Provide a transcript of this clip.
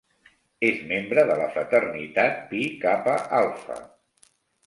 És membre de la fraternitat Pi Kappa Alpha.